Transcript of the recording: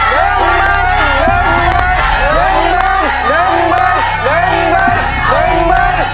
หนังมัน